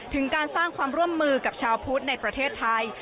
ถึงการสร้างความร่วมมือกับชาวพุทธในประเทศไทย